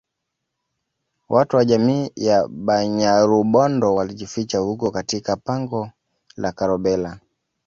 Watu wa jamii ya Banyarubondo walijificha huko katika pango la Karobhela